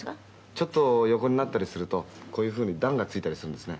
「ちょっと横になったりするとこういうふうに段がついたりするんですね」